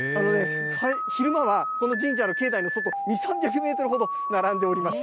昼間はこの神社の境内の外、２、３００メートルほど並んでおりました。